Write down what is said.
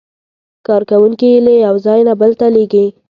کارکوونکي یې له یو ځای نه بل ته لېږي.